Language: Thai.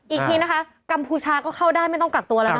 อีกทีนะคะกัมพูชาก็เข้าได้ไม่ต้องกักตัวแล้วนะ